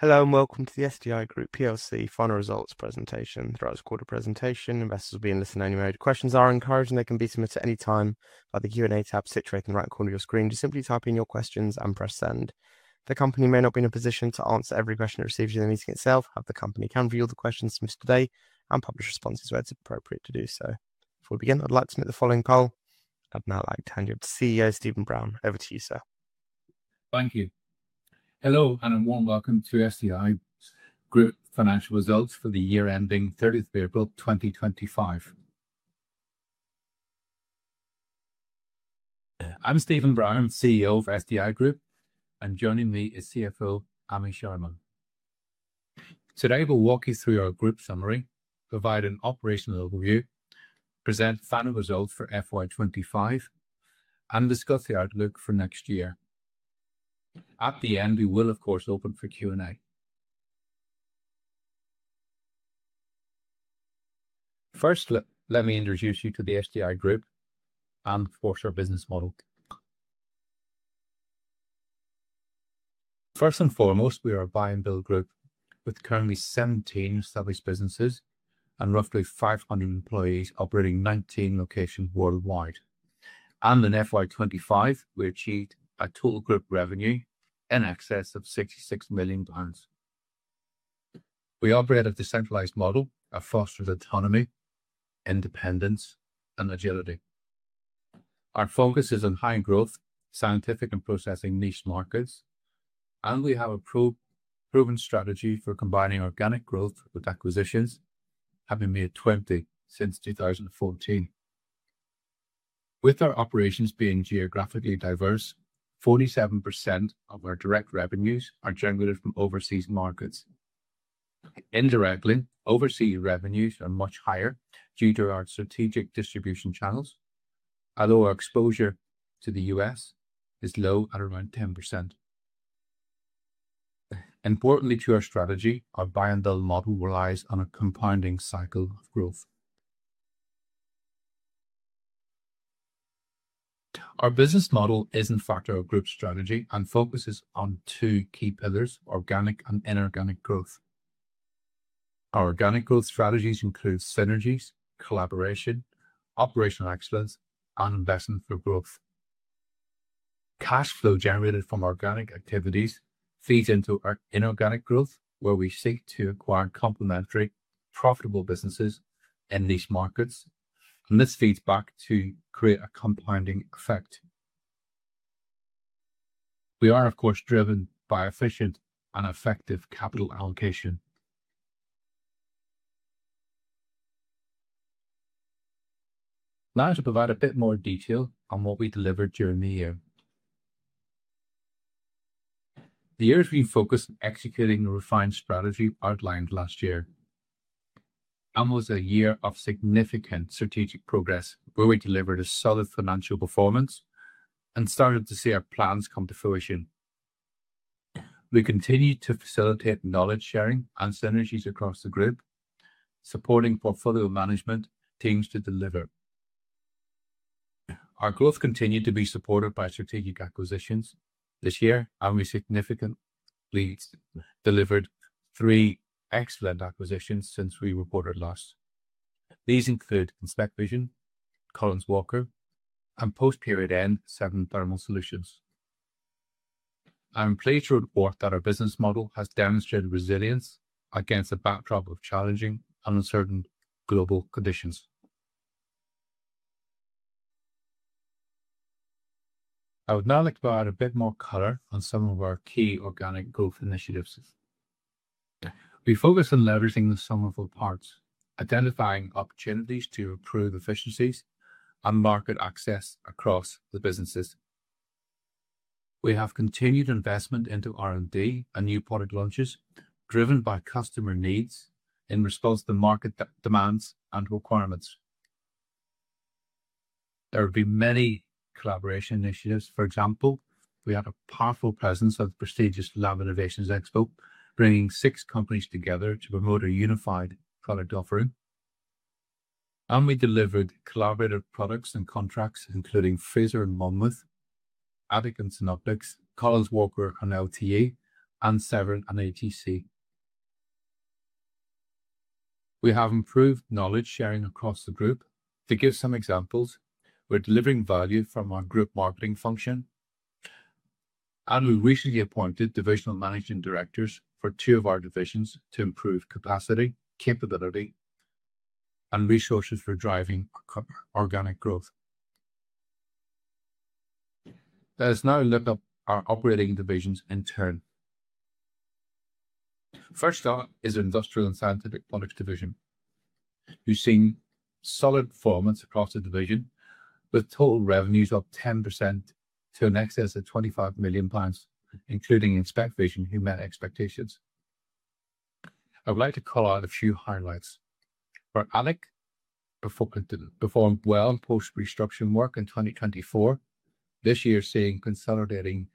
Hello and welcome to the SDI Group plc final results presentation. Throughout the quarter presentation, investors will be in listening only mode. Questions are encouraged and they can be submitted at any time at the Q&A tab situated in the right corner of your screen. Just simply type in your questions and press send. The company may not be in a position to answer every question received in the meeting itself, but the company can view all the questions submitted today and publish responses where it's appropriate to do so. Before we begin, I'd like to submit the following poll. I'd now like to hand you over to CEO Stephen Brown. Over to you, sir. Thank you. Hello and a warm welcome to SDI Group's financial results for the year ending 30th of April 2025. I'm Stephen Brown, CEO of SDI Group, and joining me is CFO Amit Sharma. Today, we'll walk you through our group summary, provide an operational overview, present final results for FY2025, and discuss the outlook for next year. At the end, we will, of course, open for Q&A. First, let me introduce you to the SDI Group and, of course, our business model. First and foremost, we are a buy-and-build group with currently 17 established businesses and roughly 500 employees operating 19 locations worldwide. In FY2025, we achieved a total group revenue in excess of 66 million pounds. We operate a decentralized model that fosters autonomy, independence, and agility. Our focus is on high growth, scientific, and processing niche markets, and we have a proven strategy for combining organic growth with acquisitions, having made 20 since 2014. With our operations being geographically diverse, 47% of our direct revenues are generated from overseas markets. Indirectly, overseas revenues are much higher due to our strategic distribution channels, although our exposure to the U.S. is low at around 10%. Importantly, to our strategy, our buy-and-build model relies on a compounding cycle of growth. Our business model is in fact our group strategy and focuses on two key pillars: organic and inorganic growth. Our organic growth strategies include synergies, collaboration, operational excellence, and lessons for growth. Cash flow generated from organic activities feeds into our inorganic growth, where we seek to acquire complementary, profitable businesses in these markets, and this feeds back to create a compounding effect. We are, of course, driven by efficient and effective capital allocation. Now, to provide a bit more detail on what we delivered during the year. This year we focused on executing the refined strategy outlined last year. It was a year of significant strategic progress, where we delivered a solid financial performance and started to see our plans come to fruition. We continued to facilitate knowledge sharing and synergies across the group, supporting portfolio management teams to deliver. Our growth continued to be supported by strategic acquisitions this year, and we significantly delivered three excellent acquisitions since we reported last. These include InspecVision, Collins Walker, and post-period end Severn Thermal Solutions. I'm pleased to report that our business model has demonstrated resilience against a backdrop of challenging and uncertain global conditions. I would now like to provide a bit more color on some of our key organic growth initiatives. We focus on leveraging the sum of our parts, identifying opportunities to improve efficiencies and market access across the businesses. We have continued investment into R&D and new product launches, driven by customer needs in response to market demands and requirements. There have been many collaboration initiatives. For example, we had a powerful presence at the prestigious Lab Innovations Expo, bringing six companies together to promote a unified product offering. We delivered collaborative products and contracts, including Fraser and Monmouth, Graticules Optics, Collins Walker and LTE, and Severn and ATC. We have improved knowledge sharing across the group. To give some examples, we're delivering value from our group marketing function, and we recently appointed Divisional Managing Directors for two of our divisions to improve capacity, capability, and resources for driving organic growth. Let us now look at our operating divisions in turn. First up is the Industrial & Scientific Products Division. We've seen solid performance across the division, with total revenues up 10% to in excess of 25 million pounds, including InspecVision, who met expectations. I would like to call out a few highlights. For ALiC, it performed well in post-restructuring work in 2024, this year seeing consolidating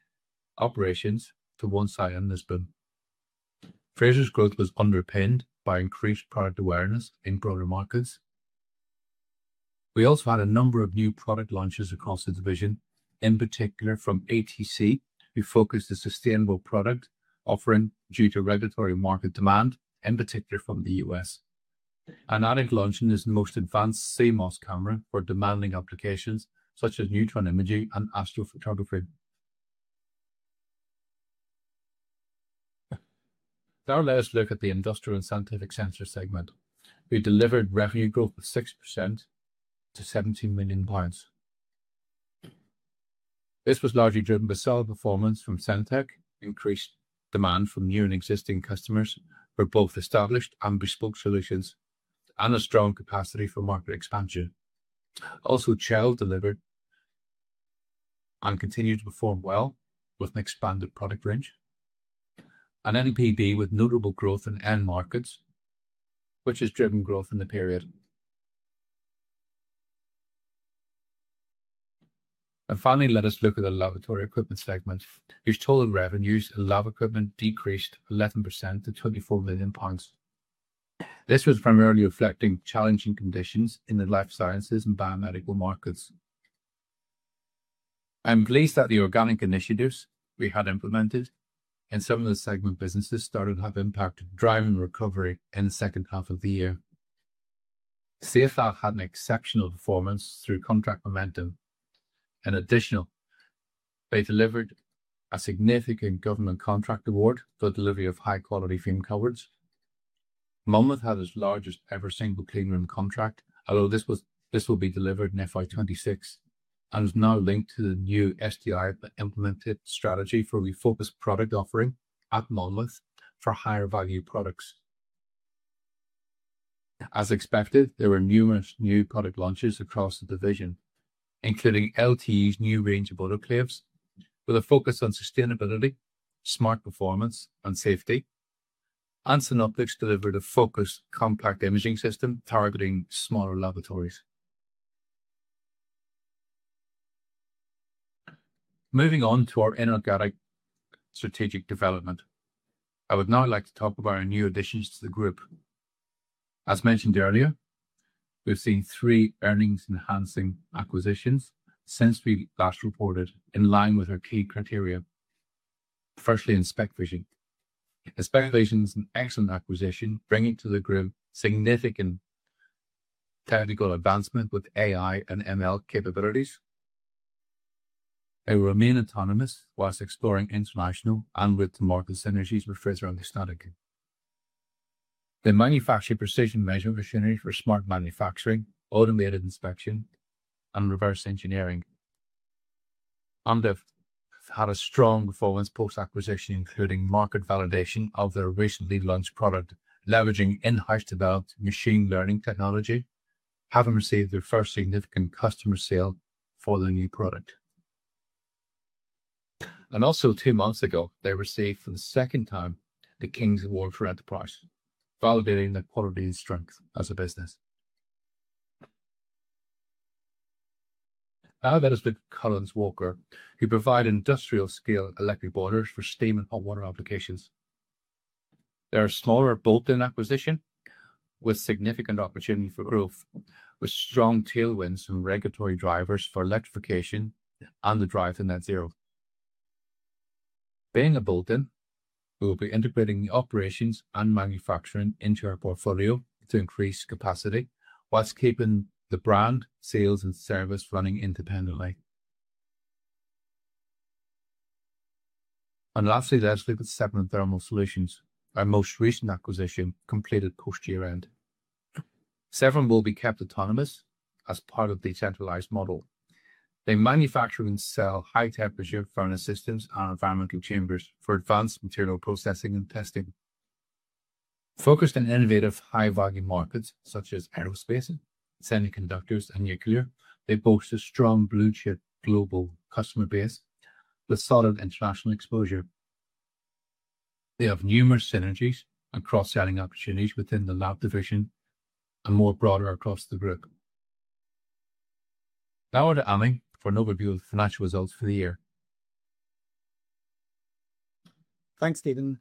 operations to one site in Lisbon. Fraser's growth was underpinned by increased product awareness in broader markets. We also had a number of new product launches across the division, in particular from ATC, who focused on sustainable product offering due to regulatory market demand, in particular from the U.S. ALiC launched the most advanced CMOS camera for demanding applications such as neutron imaging and astrophotography. Now let us look at the Industrial & Scientific Sensors segment. We delivered revenue growth of 6% to 17 million pounds. This was largely driven by solid performance from Sentech, increased demand from new and existing customers for both established and bespoke solutions, and a strong capacity for market expansion. Also, Chell delivered and continued to perform well with an expanded product range. NPB had notable growth in end markets, which has driven growth in the period. Finally, let us look at the Laboratory Equipment segment, whose total revenues in Laboratory Equipment decreased 11% to 24 million pounds. This was primarily reflecting challenging conditions in the life sciences and biomedical markets. I'm pleased that the organic initiatives we had implemented in some of the segment businesses started to have impact on driving recovery in the second half of the year. CFL had an exceptional performance through contract momentum and additional. They delivered a significant government contract award for the delivery of high-quality fume covers. Monmouth had its largest ever single clean room contract, although this will be delivered in FY2026, and is now linked to the new SDI-implemented strategy for refocused product offering at Monmouth for higher value products. As expected, there were numerous new product launches across the division, including LTE's new range of autoclaves with a focus on sustainability, smart performance, and safety. Synoptics delivered a focused compact imaging system targeting smaller laboratories. Moving on to our inorganic strategic development, I would now like to talk about our new additions to the group. As mentioned earlier, we've seen three earnings-enhancing acquisitions since we last reported, in line with our key criteria. Firstly, InspecVision. InspecVision is an excellent acquisition, bringing to the group significant technical advancement with AI and ML capabilities. They will remain autonomous whilst exploring international and with market synergies with Fraser Anti Static. They manufacture precision measurement machinery for smart manufacturing, automated inspection, and reverse engineering. They've had a strong performance post-acquisition, including market validation of their recently launched product, leveraging in-house developed machine learning technology, having received their first significant customer sale for their new product. Also, two months ago, they received for the second time the King's Award for Enterprise, validating their quality and strength as a business. Now let us look at Collins Walker, who provide industrial-scale electric motors for steam and hot water applications. They're a smaller bolt-on acquisition with significant opportunity for growth, with strong tailwinds and regulatory drivers for electrification and the drive to net zero. Being a Bolton, we will be integrating the operations and manufacturing into our portfolio to increase capacity whilst keeping the brand, sales, and service running independently. Lastly, let us look at Severn Thermal Solutions, our most recent acquisition completed post-year end. Severn will be kept autonomous as part of the decentralized model. They manufacture and sell high-temperature furnace systems and environmental chambers for advanced material processing and testing. Focused on innovative high-volume markets such as aerospace, semiconductors, and nuclear, they boast a strong blue-chip global customer base with solid international exposure. They have numerous synergies and cross-selling opportunities within the lab division and more broadly across the group. Now over to Amit for an overview of the financial results for the year. Thanks, Stephen.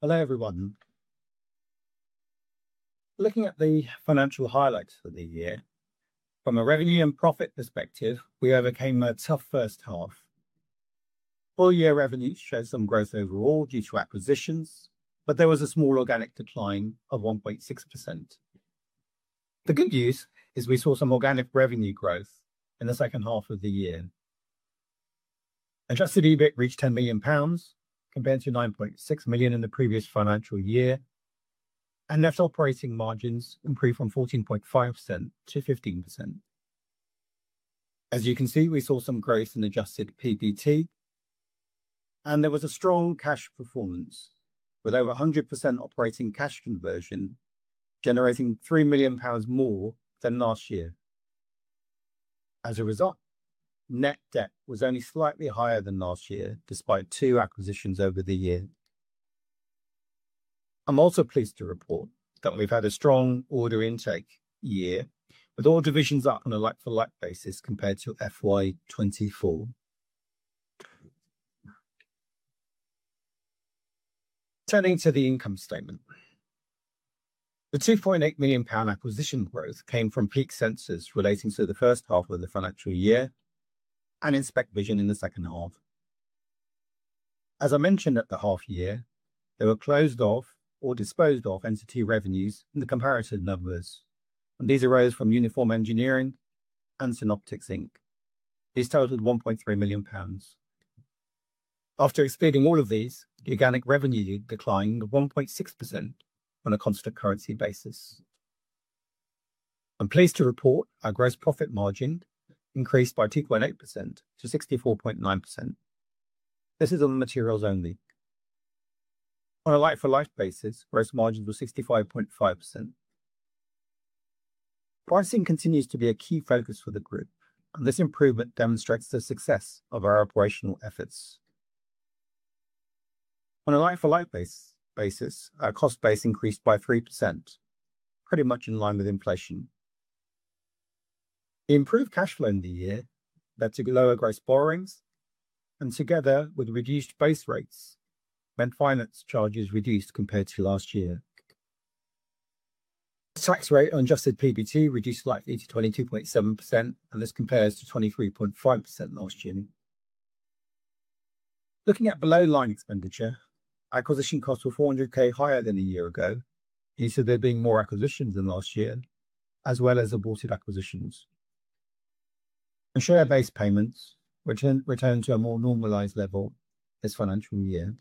Hello everyone. Looking at the financial highlights for the year, from a revenue and profit perspective, we overcame a tough first half. Full-year revenues showed some growth overall due to acquisitions, but there was a small organic decline of 1.6%. The good news is we saw some organic revenue growth in the second half of the year. Adjusted EBIT reached 10 million pounds, compared to 9.6 million in the previous financial year, and operating margins improved from 14.5% to 15%. As you can see, we saw some growth in adjusted PBT, and there was a strong cash performance with over 100% operating cash conversion, generating 3 million pounds more than last year. As a result, net debt was only slightly higher than last year, despite two acquisitions over the year. I'm also pleased to report that we've had a strong order intake year, with all divisions up on a like-for-like basis compared to FY2024. Turning to the income statement, the 2.8 million pound acquisition growth came from Peak Sensors relating to the first half of the financial year and InspecVision in the second half. As I mentioned at the half year, there were closed off or disposed of entity revenues in the comparative numbers, and these arose from Uniform Engineering and Synoptics Inc. These totaled 1.3 million pounds. After exceeding all of these, the organic revenue declined to 1.6% on a constant currency basis. I'm pleased to report our gross profit margin increased by 2.8% to 64.9%. This is on the materials only. On a like-for-like basis, gross margins were 65.5%. Pricing continues to be a key focus for the group, and this improvement demonstrates the success of our operational efforts. On a like-for-like basis, our cost base increased by 3%, pretty much in line with inflation. The improved cash flow in the year led to lower gross borrowings, and together with reduced base rates, meant finance charges reduced compared to last year. The tax rate on adjusted PBT reduced slightly to 22.7%, and this compares to 23.5% last year. Looking at below-line expenditure, acquisition costs were 400,000 higher than a year ago, with there being more acquisitions than last year, as well as aborted acquisitions. Share-based payments returned to a more normalized level this financial year.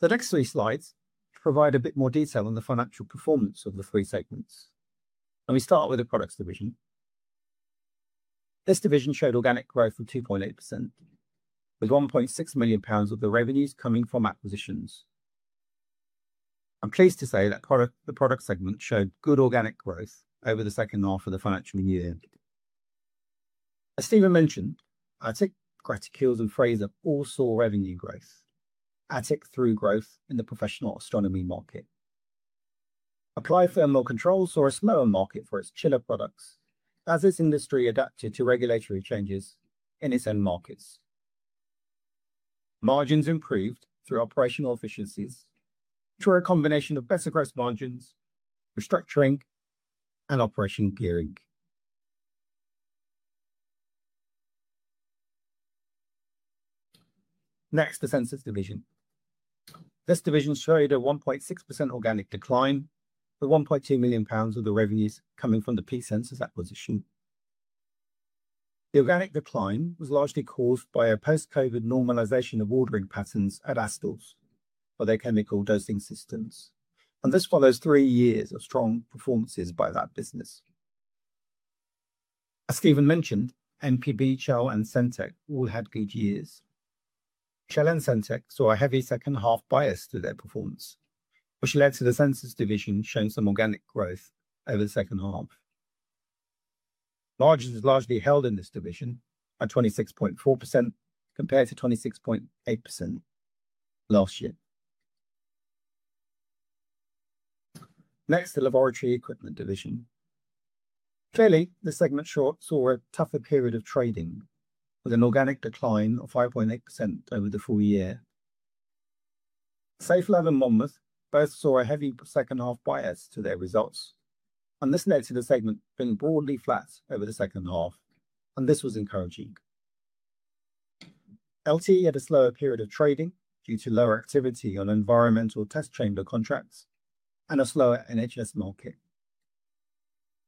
The next three slides provide a bit more detail on the financial performance of the three segments, and we start with the Products division. This division showed organic growth of 2.8%, with 1.6 million pounds of the revenues coming from acquisitions. I'm pleased to say that the Products segment showed good organic growth over the second half of the financial year. As Stephen mentioned, ATC and Fraser all saw revenue growth, adding through growth in the professional astronomy market. Applied Thermal Controls saw a slower market for its chiller products, as its industry adapted to regulatory changes in its end markets. Margins improved through operational efficiencies, through a combination of better gross margins, restructuring, and operational gearing. Next, the Sensors division. This division showed a 1.6% organic decline, with 1.2 million pounds of the revenues coming from the Peak Sensors acquisition. The organic decline was largely caused by a post-COVID normalization of ordering patterns at Astor's for their chemical dosing systems, and this follows three years of strong performances by that business. As Stephen mentioned, NPB, Chell, and Sentech all had good years. Chell and Sentech saw a heavy second half bias to their performance, which led to the Sensors division showing some organic growth over the second half. Margins largely held in this division at 26.4% compared to 26.8% last year. Next, the Laboratory Equipment division. Clearly, this segment saw a tougher period of trading, with an organic decline of 5.8% over the full year. Safelab and Monmouth both saw a heavy second half bias to their results, and this led to the segment being broadly flat over the second half, which was encouraging. LTE had a slower period of trading due to lower activity on environmental test chamber contracts and a slower NHS market.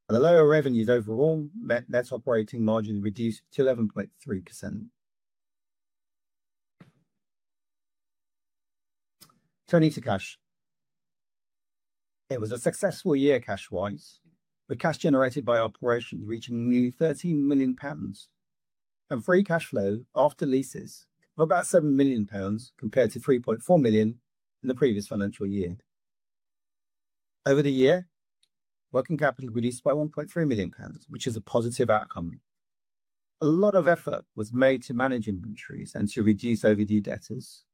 The lower revenues overall meant net operating margin reduced to 11.3%. Turning to cash, it was a successful year cash-wise, with cash generated by operations reaching nearly 13 million pounds and free cash flow after leases of about 7 million pounds compared to 3.4 million in the previous financial year. Over the year, working capital was reduced by 1.3 million pounds, which is a positive outcome. A lot of effort was made to manage inventories and to reduce overdue debtors,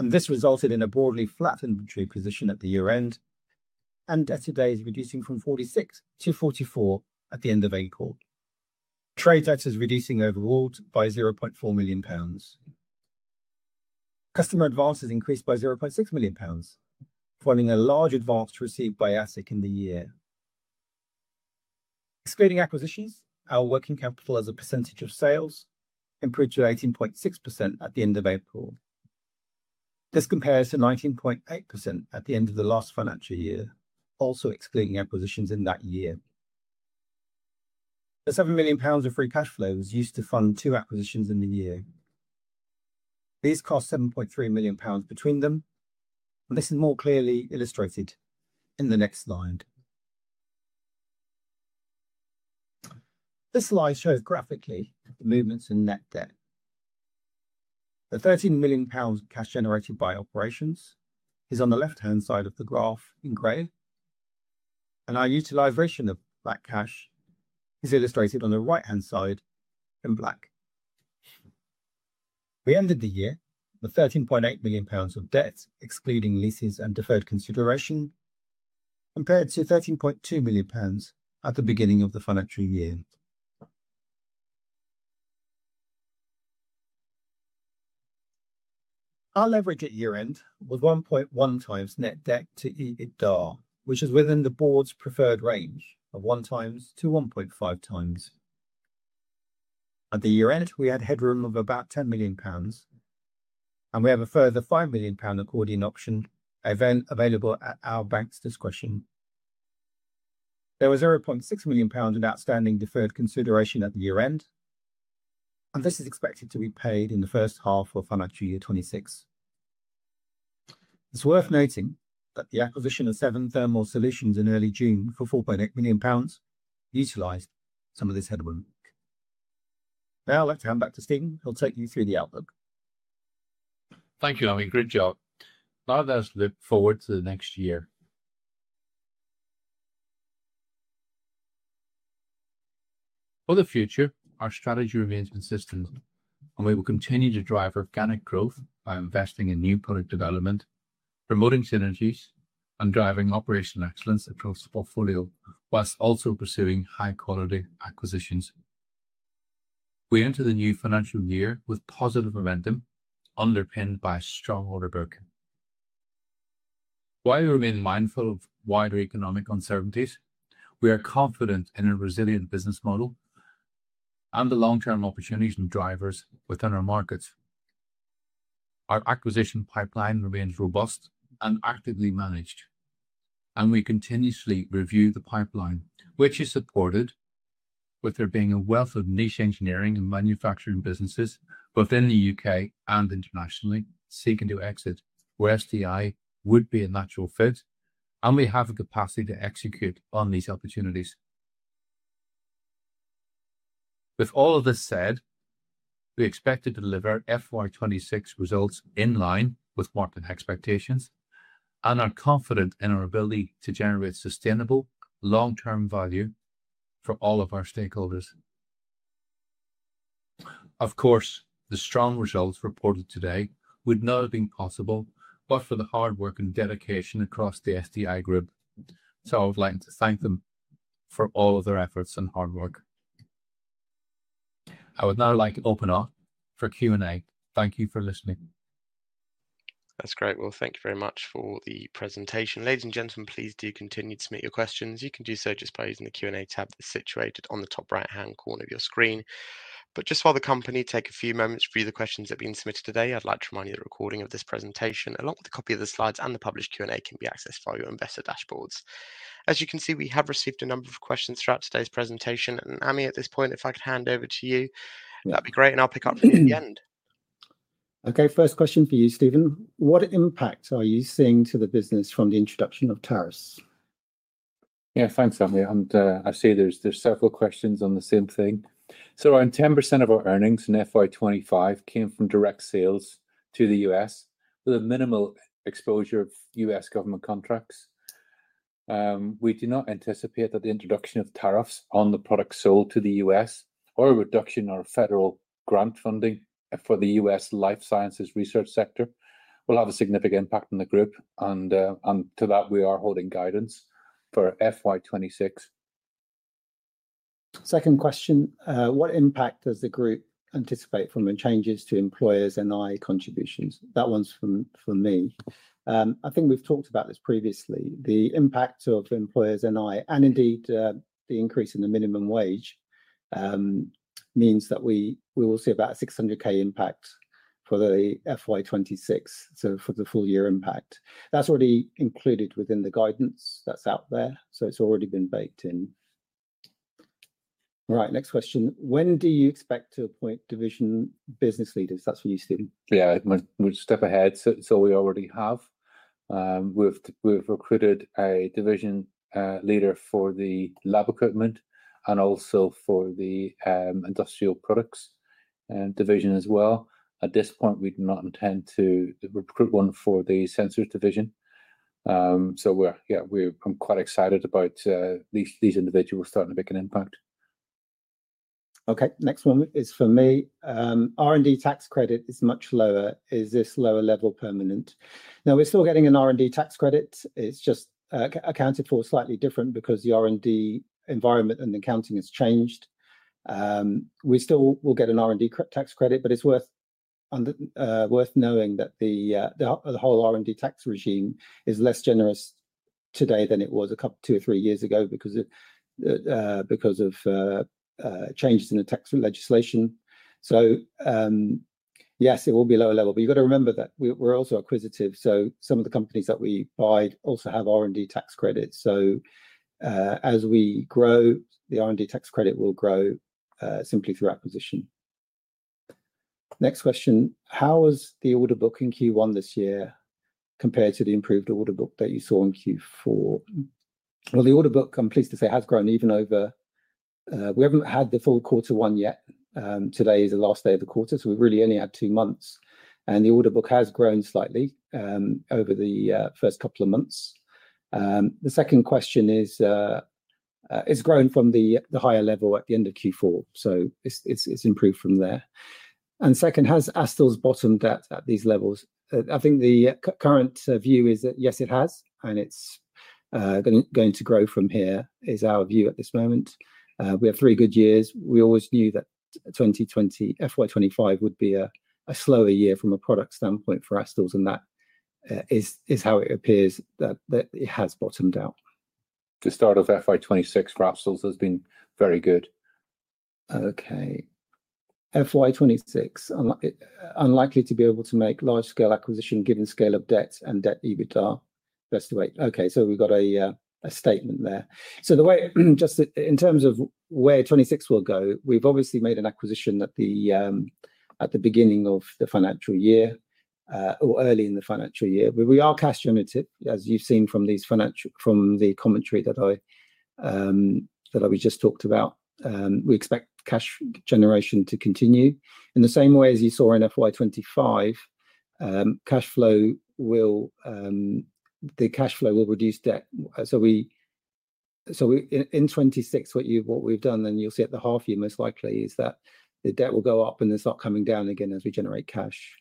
and this resulted in a broadly flat inventory position at the year-end and debtor days reducing from 46 to 44 at the end of April. Trade debtors reducing overall by 0.4 million pounds. Customer advances increased by 0.6 million pounds, following a large advance received by ALiC in the year. Excluding acquisitions, our working capital as a percentage of sales improved to 18.6% at the end of April. This compares to 19.8% at the end of the last financial year, also excluding acquisitions in that year. The 7 million pounds of free cash flow was used to fund two acquisitions in the year. These cost 7.3 million pounds between them, and this is more clearly illustrated in the next slide. This slide shows graphically the movements in net debt. The 13 million pounds cash generated by operations is on the left-hand side of the graph in grey, and our utilization of that cash is illustrated on the right-hand side in black. We ended the year with 13.8 million pounds of debt, excluding leases and deferred consideration, compared to 13.2 million pounds at the beginning of the financial year. Our leverage at year-end was 1.1x net debt to EBITDA, which is within the board's preferred range of 1x-1.5x. At the year-end, we had headroom of about 10 million pounds, and we have a further 5 million pound accordion option available at our bank's discretion. There was 0.6 million pounds in outstanding deferred consideration at the year-end, and this is expected to be paid in the first half of financial year 2026. It's worth noting that the acquisition of Severn Thermal Solutions in early June for 4.8 million pounds utilized some of this headroom. Now, I'll let you hand back to Stephen. He'll take you through the outlook. Thank you, Amit. Great job. I'll look forward to the next year. For the future, our strategy remains consistent, and we will continue to drive organic growth by investing in new product development, promoting synergies, and driving operational excellence across the portfolio, whilst also pursuing high-quality acquisitions. We enter the new financial year with positive momentum underpinned by a strong order book. While we remain mindful of wider economic uncertainties, we are confident in a resilient business model and the long-term opportunities and drivers within our markets. Our acquisition pipeline remains robust and actively managed, and we continuously review the pipeline, which is supported with there being a wealth of niche engineering and manufacturing businesses both in the U.K. and internationally seeking to exit where SDI would be a natural fit, and we have the capacity to execute on these opportunities. With all of this said, we expect to deliver FY2026 results in line with market expectations, and I'm confident in our ability to generate sustainable long-term value for all of our stakeholders. Of course, the strong results reported today would not have been possible but for the hard work and dedication across the SDI Group, so I would like to thank them for all of their efforts and hard work. I would now like to open up for Q&A. Thank you for listening. That's great. Thank you very much for the presentation. Ladies and gentlemen, please do continue to submit your questions. You can do so just by using the Q&A tab that's situated on the top right-hand corner of your screen. While the company takes a few moments to review the questions that are being submitted today, I'd like to remind you that the recording of this presentation, along with a copy of the slides and the published Q&A, can be accessed via your investor dashboards. As you can see, we have received a number of questions throughout today's presentation. Amit, at this point, if I could hand over to you, that'd be great, and I'll pick up at the end. First question for you, Stephen. What impact are you seeing to the business from the introduction of tariffs? Yeah, thanks, Amit. I see there's several questions on the same thing. Around 10% of our earnings in FY2025 came from direct sales to the U.S., with a minimal exposure of U.S. government contracts. We do not anticipate that the introduction of tariffs on the products sold to the U.S. or a reduction in our federal grant funding for the U.S. life sciences research sector will have a significant impact on the group, and to that, we are holding guidance for FY2026. Second question. What impact does the group anticipate from the changes to employers' NI contributions? That one's for me. I think we've talked about this previously. The impact of employers' NI, and indeed the increase in the minimum wage, means that we will see about a 600,000 impact for the FY2026, for the full year impact. That's already included within the guidance that's out there, so it's already been baked in. All right, next question. When do you expect to appoint division business leaders? That's for you, Stephen. We'll step ahead. We already have. We've recruited a division leader for the Lab Equipment and also for the Industrial Products division as well. At this point, we do not intend to recruit one for the Sensors division. I'm quite excited about these individuals starting to make an impact. Okay, next one is for me. R&D tax credit is much lower. Is this lower level permanent? Now, we're still getting an R&D tax credit. It's just accounted for slightly different because the R&D environment and accounting has changed. We still will get an R&D tax credit, but it's worth knowing that the whole R&D tax regime is less generous today than it was a couple, two or three years ago because of changes in the tax legislation. Yes, it will be lower level, but you've got to remember that we're also acquisitive, so some of the companies that we buy also have R&D tax credits. As we grow, the R&D tax credit will grow simply through acquisition. Next question. How was the order book in Q1 this year compared to the improved order book that you saw in Q4? The order book, I'm pleased to say, has grown even over. We haven't had the full quarter one yet. Today is the last day of the quarter, so we've really only had two months, and the order book has grown slightly over the first couple of months. The second question is, it's grown from the higher level at the end of Q4, so it's improved from there. Has Astor's bottomed at these levels? I think the current view is that, yes, it has, and it's going to grow from here, is our view at this moment. We have three good years. We always knew that FY2025 would be a slower year from a product standpoint for Astor's, and that is how it appears that it has bottomed out. To start off, FY2026 for us has been very good. Okay. FY2026, unlikely to be able to make large-scale acquisition given scale of debt and debt to EBITDA. Best way. Okay, so we've got a statement there. The way just in terms of where 2026 will go, we've obviously made an acquisition at the beginning of the financial year or early in the financial year. We are cash-generated, as you've seen from the commentary that we just talked about. We expect cash generation to continue. In the same way as you saw in FY2025, cash flow will reduce debt. In 2026, what we've done, and you'll see at the half year most likely, is that the debt will go up and it's not coming down again as we generate cash.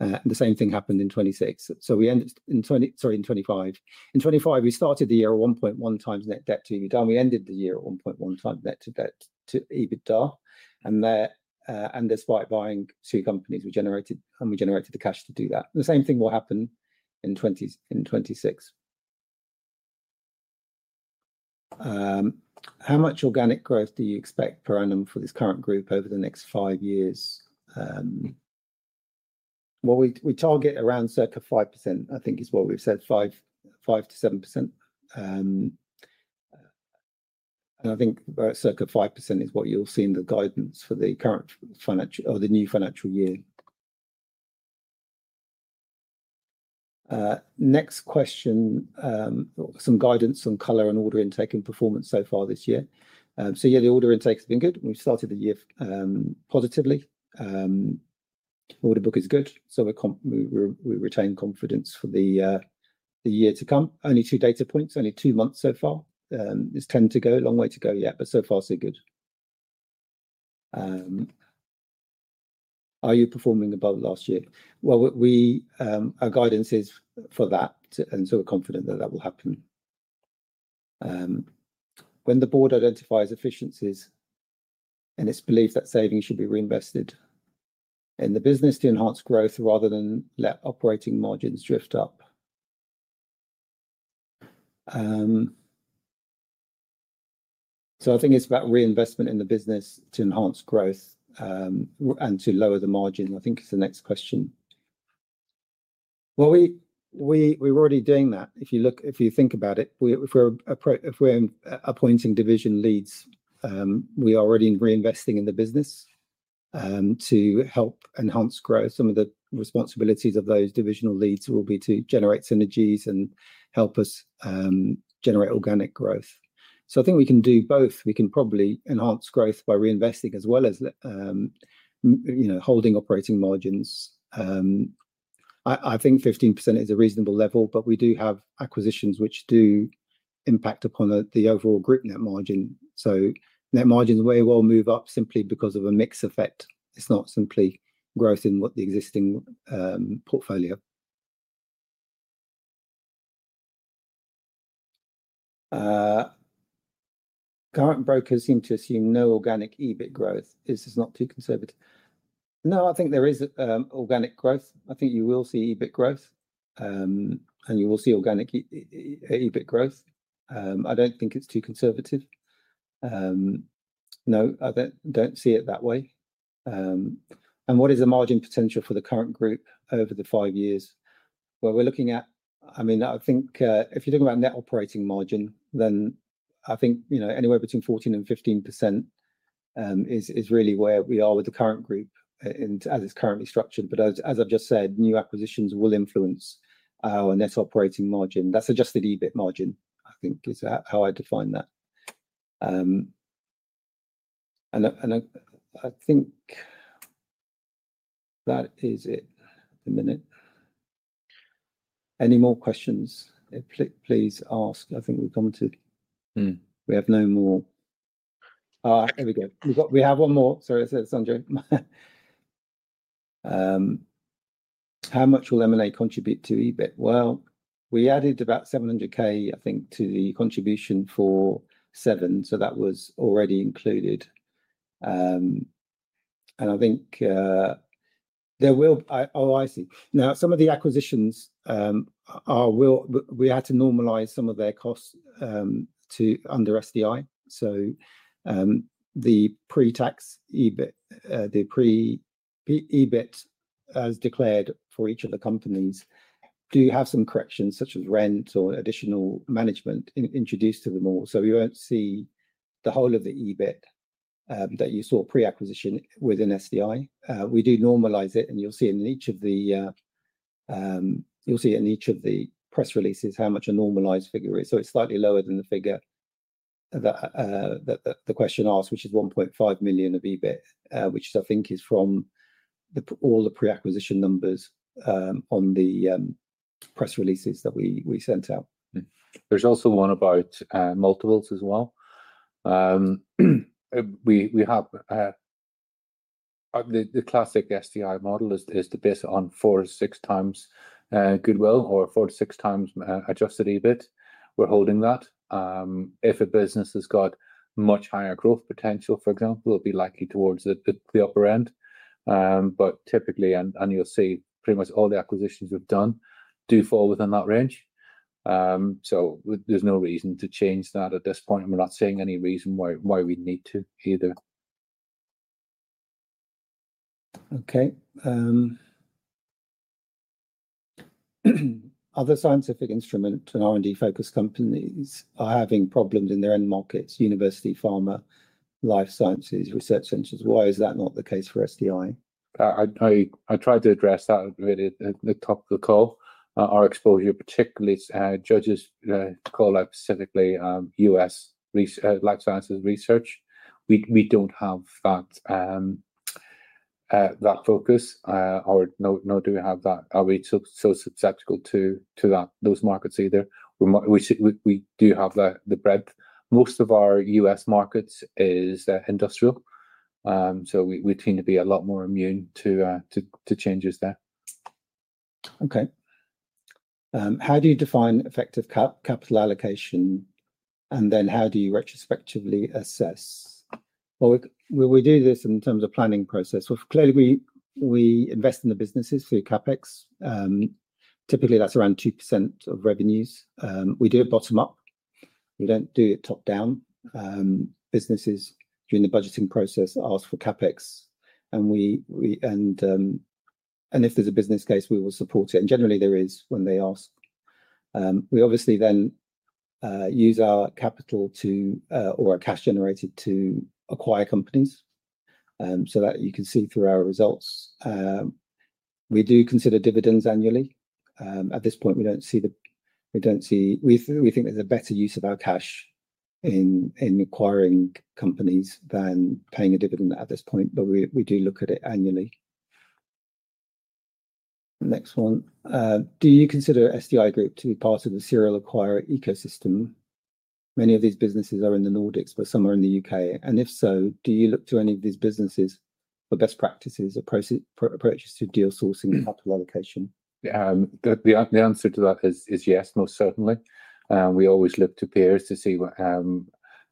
The same thing happened in 2026. We ended in, sorry, in 2025. In 2025, we started the year at 1.1x net debt to EBITDA. We ended the year at 1.1x net debt to EBITDA. And there, and despite buying two companies, we generated, and we generated the cash to do that. The same thing will happen in 2026. How much organic growth do you expect per annum for this current group over the next five years? We target around circa 5%, I think is what we've said, 5%-7%. I think circa 5% is what you'll see in the guidance for the current financial or the new financial year. Next question. Some guidance on color and order intake and performance so far this year. The order intake has been good. We've started the year positively. The order book is good, so we retain confidence for the year to come. Only two data points, only two months so far. It's 10 to go, a long way to go, yeah, but so far, so good. Are you performing above last year? Our guidance is for that, and we're confident that that will happen. When the board identifies efficiencies and it's believed that savings should be reinvested in the business to enhance growth rather than let operating margins drift up. I think it's about reinvestment in the business to enhance growth and to lower the margin, I think is the next question. We're already doing that. If you think about it, if we're appointing division leads, we are already reinvesting in the business to help enhance growth. Some of the responsibilities of those divisional leads will be to generate synergies and help us generate organic growth. I think we can do both. We can probably enhance growth by reinvesting as well as holding operating margins. I think 15% is a reasonable level, but we do have acquisitions which do impact upon the overall group net margin. Net margins may well move up simply because of a mix effect. It's not simply growth in the existing portfolio. Current brokers seem to assume no organic EBIT growth. Is this not too conservative? No, I think there is organic growth. I think you will see EBIT growth, and you will see organic EBIT growth. I don't think it's too conservative. No, I don't see it that way. What is the margin potential for the current group over the five years? If you're talking about net operating margin, then I think anywhere between 14% and 15% is really where we are with the current group and as it's currently structured. As I've just said, new acquisitions will influence our net operating margin. That's adjusted EBIT margin, I think, is how I define that. I think that is it at the minute. Any more questions? Please ask. I think we've gone to, we have no more. Oh, there we go. We have one more. Sorry, it's on Zoom. How much will M&A contribute to EBIT? We added about 700,000, I think, to the contribution for Severn, so that was already included. I think there will, oh, I see. Now, some of the acquisitions, we had to normalize some of their costs under SDI. The pre-tax EBIT, the pre-EBIT as declared for each of the companies, do have some corrections such as rent or additional management introduced to them all. We won't see the whole of the EBIT that you saw pre-acquisition within SDI. We do normalize it, and you'll see in each of the press releases how much a normalized figure is. It's slightly lower than the figure that the question asked, which is 1.5 million of EBIT, which I think is from all the pre-acquisition numbers on the press releases that we sent out. There's also one about multiples as well. We have the classic SDI model is the base on four to six times acquisition multiples or four to six times adjusted EBIT. We're holding that. If a business has got much higher growth potential, for example, it'll be likely towards the upper end. Typically, and you'll see pretty much all the acquisitions we've done do fall within that range. There's no reason to change that at this point. We're not seeing any reason why we need to either. Okay. Other scientific instruments and R&D-focused companies are having problems in their end markets: university, pharma, life sciences, research centers. Why is that not the case for SDI? I tried to address that at the top of the call. Our exposure, particularly just to call out specifically U.S. life sciences research, we don't have that focus, nor do we have that. We aren't so subject to those markets either. We do have the breadth. Most of our U.S. markets are industrial, so we tend to be a lot more immune to changes there. Okay. How do you define effective capital allocation, and then how do you retrospectively assess? We do this in terms of planning process. Clearly, we invest in the businesses through CapEx. Typically, that's around 2% of revenues. We do it bottom-up. We don't do it top-down. Businesses during the budgeting process ask for CapEx, and if there's a business case, we will support it. Generally, there is when they ask. We obviously then use our capital or our cash generated to acquire companies so that you can see through our results. We do consider dividends annually. At this point, we think there's a better use of our cash in acquiring companies than paying a dividend at this point, but we do look at it annually. Next one. Do you consider SDI Group to be part of the serial acquirer ecosystem? Many of these businesses are in the Nordics or somewhere in the U.K., and if so, do you look to any of these businesses for best practices or approaches to deal sourcing and capital allocation? The answer to that is yes, most certainly. We always look to peers to see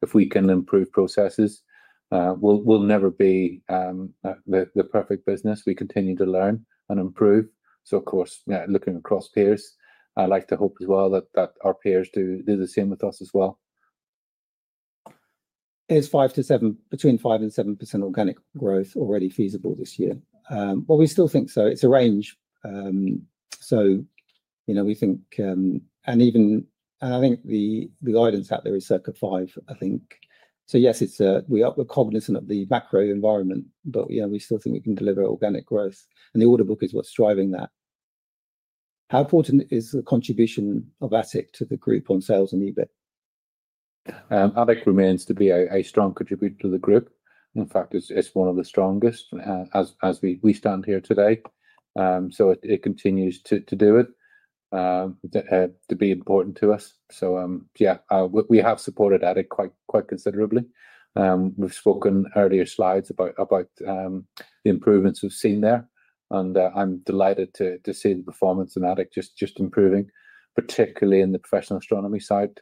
if we can improve processes. We'll never be the perfect business. We continue to learn and improve. Of course, looking across peers, I like to hope as well that our peers do the same with us as well. Is 5%-7%, between 5% and 7% organic growth already feasible this year? We still think so. It's a range. You know, we think, and I think the guidance out there is circa 5%, I think. Yes, we're cognizant of the macro environment, but we still think we can deliver organic growth, and the order book is what's driving that. How important is the contribution of ALiC to the group on sales and EBIT? ALiC remains to be a strong contributor to the group. In fact, it's one of the strongest as we stand here today. It continues to do it, to be important to us. We have supported ALiC quite considerably. We've spoken in earlier slides about the improvements we've seen there, and I'm delighted to see the performance in ALiC just improving, particularly in the professional astronomy side,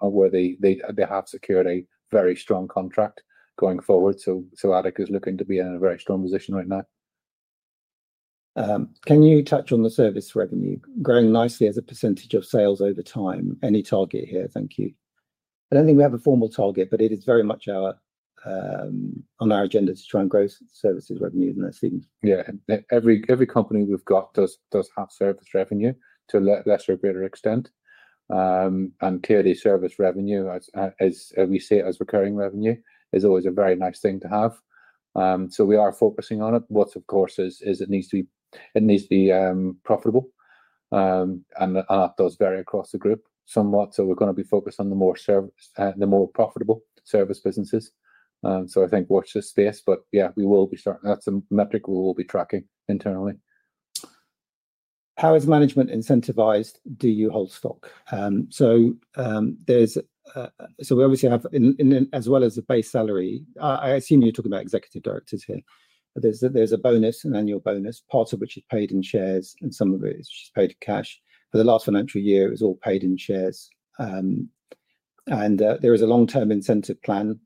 where they have secured a very strong contract going forward. ALiC is looking to be in a very strong position right now. Can you touch on the service revenue growing nicely as a percentage of sales over time? Any target here? Thank you. I don't think we have a formal target, but it is very much on our agenda to try and grow services revenue, isn't it, Stephen? Yeah, every company we've got does have service revenue to a lesser or greater extent. Clearly, service revenue, as we see it as recurring revenue, is always a very nice thing to have. We are focusing on it. Of course, it needs to be profitable, and that does vary across the group somewhat. We are going to be focused on the more profitable service businesses. I think watch this space, but yeah, we will be starting. That's a metric we will be tracking internally. How is management incentivized? Do you hold stock? We obviously have, as well as a base salary, I assume you're talking about executive directors here. There's a bonus, an annual bonus, part of which is paid in shares, and some of it is just paid in cash. For the last financial year, it was all paid in shares. There is a long-term incentive plan,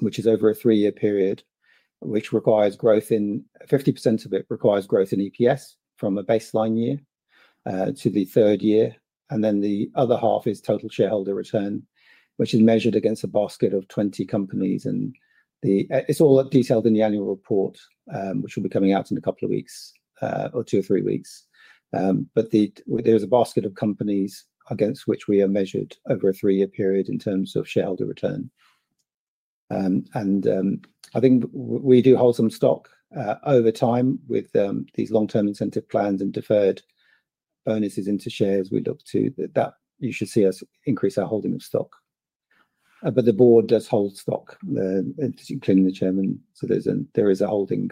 which is over a three-year period, which requires growth in 50% of it requires growth in EPS from a baseline year to the third year. The other half is total shareholder return, which is measured against a basket of 20 companies. It's all detailed in the annual report, which will be coming out in a couple of weeks or two or three weeks. There's a basket of companies against which we are measured over a three-year period in terms of shareholder return. I think we do hold some stock over time with these long-term incentive plans and deferred bonuses into shares. We look to that. You should see us increase our holding of stock. The board does hold stock, including the Chairman. There is a holding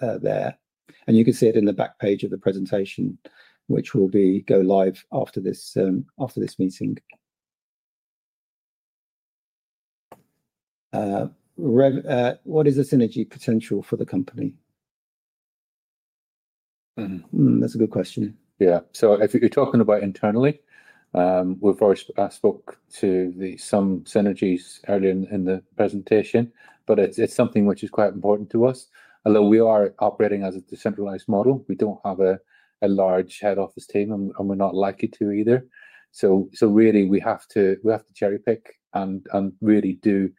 there. You can see it in the back page of the presentation, which will go live after this meeting. What is the synergy potential for the company? That's a good question. Yeah, so if you're talking about internally, we've already spoken to some synergies earlier in the presentation, but it's something which is quite important to us. Although we are operating as a decentralized model, we don't have a large head office team, and we're not likely to either. Really, we have to cherry-pick and really do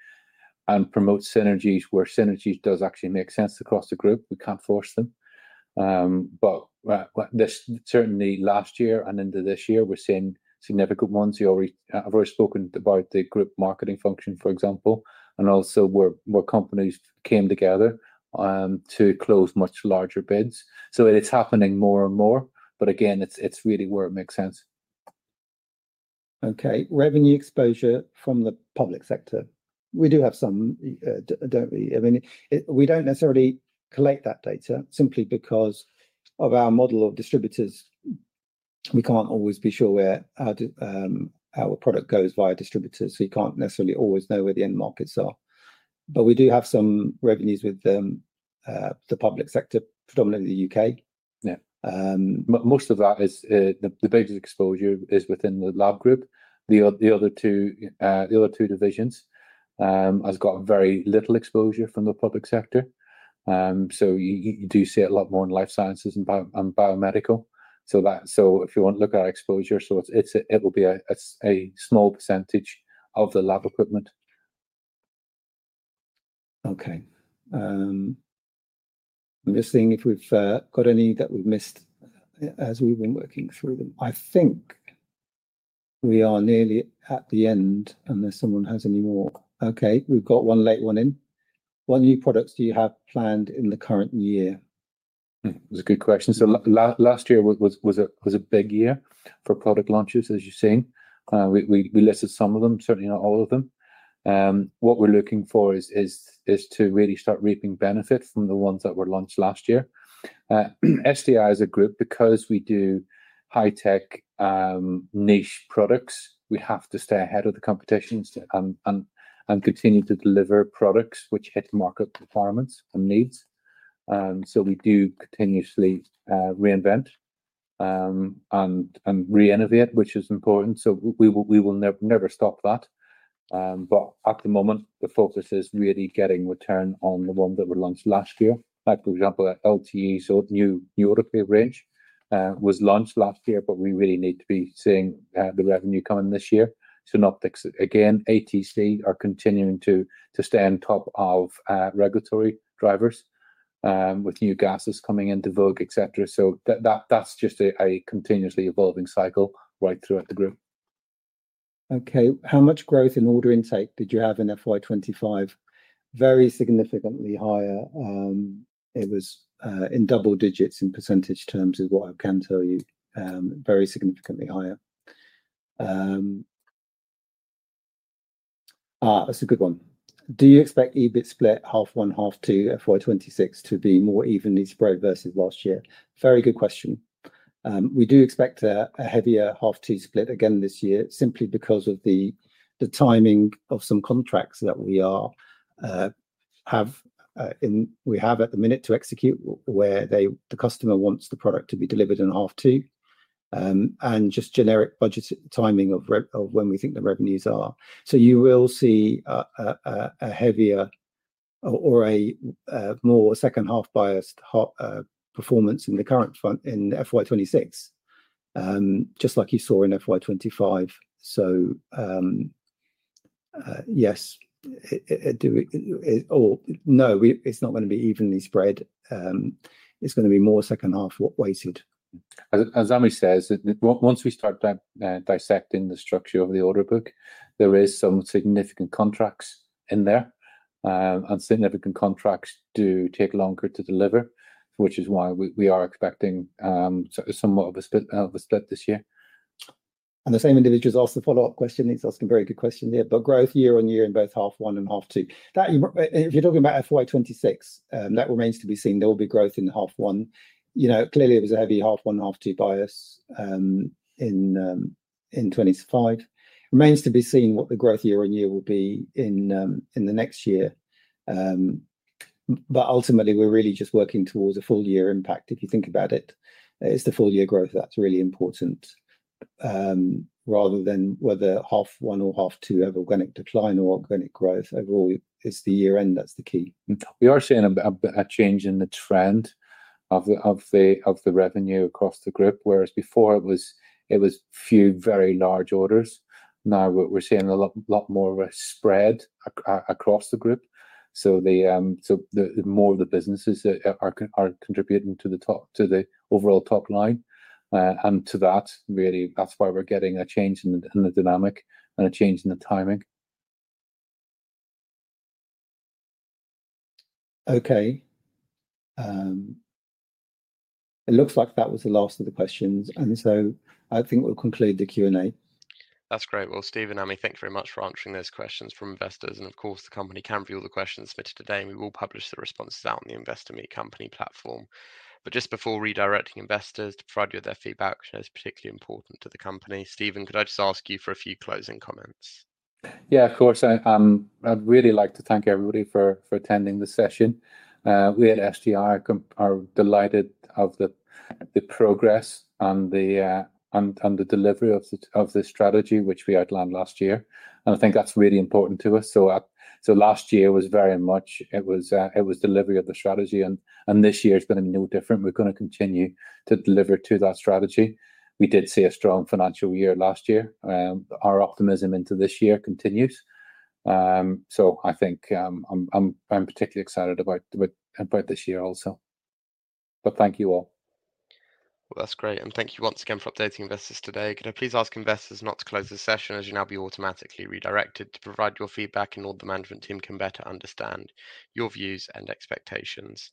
and promote synergies where synergy does actually make sense across the group. We can't force them. Certainly, last year and into this year, we're seeing significant ones. I've already spoken about the group marketing function, for example, and also where companies came together to close much larger bids. It's happening more and more, but again, it's really where it makes sense. Okay, revenue exposure from the public sector. We do have some, don't we? I mean, we don't necessarily collect that data simply because of our model of distributors. We can't always be sure where our product goes via distributors. We can't necessarily always know where the end markets are. We do have some revenues with the public sector, predominantly the U.K. Yeah. Most of that is, the biggest exposure is within the Lab group. The other two divisions have got very little exposure from the public sector. You do see it a lot more in life sciences and biomedical. If you want to look at our exposure, it will be a small percentage of the Lab Equipment. Okay. I'm just seeing if we've got any that we've missed as we've been working through them. I think we are nearly at the end unless someone has any more. Okay, we've got one late one in. What new products do you have planned in the current year? That's a good question. Last year was a big year for product launches, as you've seen. We listed some of them, certainly not all of them. What we're looking for is to really start reaping benefits from the ones that were launched last year. SDI Group, because we do high-tech niche products, we have to stay ahead of the competition and continue to deliver products which hit market requirements and needs. We do continuously reinvent and re-innovate, which is important. We will never stop that. At the moment, the focus is really getting return on the ones that were launched last year. For example, LTE's new autopay bridge was launched last year, but we really need to be seeing the revenue come in this year. ATC are continuing to stay on top of regulatory drivers with new gases coming into vogue, etc. That's just a continuously evolving cycle right throughout the group. Okay, how much growth in order intake did you have in FY2025? Very significantly higher. It was in double digits in percentage terms is what I can tell you. Very significantly higher. That's a good one. Do you expect EBIT split half one, half two FY2026 to be more evenly spread versus last year? Very good question. We do expect a heavier half two split again this year simply because of the timing of some contracts that we have, we have at the minute to execute where the customer wants the product to be delivered in half two. Just generic budget timing of when we think the revenues are. You will see a heavier or a more second half biased performance in the current front in FY2026, just like you saw in FY2025. Yes or no, it's not going to be evenly spread. It's going to be more second half weighted. As Amit says, once we start dissecting the structure of the order book, there are some significant contracts in there, and significant contracts do take longer to deliver, which is why we are expecting somewhat of a split this year. The same individual has asked a follow-up question. He's asked a very good question there about growth year on year in both half one and half two. If you're talking about FY2026, that remains to be seen. There will be growth in half one. Clearly, it was a heavy half one and half two bias in 2025. It remains to be seen what the growth year on year will be in the next year. Ultimately, we're really just working towards a full year impact. If you think about it, it's the full year growth that's really important, rather than whether half one or half two have organic decline or organic growth. Overall, it's the year end that's the key. We are seeing a change in the trend of the revenue across the group. Whereas before it was a few very large orders, now we're seeing a lot more spread across the group. The more the businesses are contributing to the overall top line, and to that, really, that's why we're getting a change in the dynamic and a change in the timing. Okay. It looks like that was the last of the questions, and I think we'll conclude the Q&A. That's great. Stephen, Amit, thanks very much for answering those questions from investors. Of course, the company can view all the questions submitted today, and we will publish the responses out on the Investor Meet Company platform. Just before redirecting investors to provide you with their feedback, which is particularly important to the company, Stephen, could I just ask you for a few closing comments? Yeah, of course. I'd really like to thank everybody for attending the session. We at SDI are delighted at the progress and the delivery of the strategy, which we outlined last year. I think that's really important to us. Last year was very much, it was delivery of the strategy, and this year is going to be no different. We're going to continue to deliver to that strategy. We did see a strong financial year last year, and our optimism into this year continues. I think I'm particularly excited about this year also. Thank you all. Thank you once again for updating investors today. Can I please ask investors not to close the session as you will now be automatically redirected to provide your feedback so the management team can better understand your views and expectations?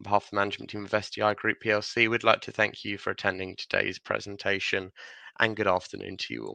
On behalf of the management team of SDI Group plc, we'd like to thank you for attending today's presentation, and good afternoon to you all.